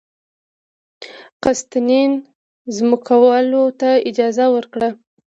قسطنطین ځمکوالو ته اجازه ورکړه